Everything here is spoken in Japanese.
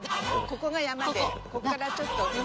ここが山でここからちょっとＵＦＯが。